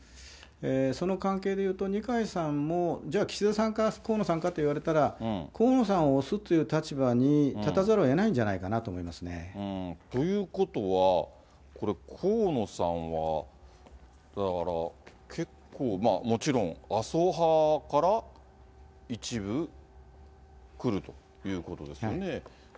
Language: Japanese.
その関係で言うと、二階さんもじゃあ、岸田さんか、河野さんかと言われたら、河野さんを推すっていう立場に立たざるをえないんじゃないかなとということは、これ、河野さんはだから結構、まあもちろん、麻生派から一部来るということですよね。